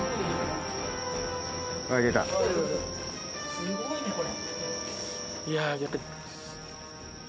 すごいねこれ。